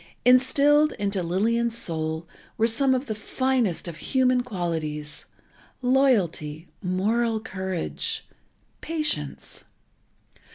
Instilled into Lillian's soul were some of the finest of human qualities: loyalty, moral courage, patience.